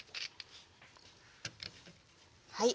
はい。